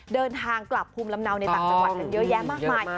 เดินทางกลับภูมิลำเนาในต่างจังหวัดกันเยอะแยะมากมาย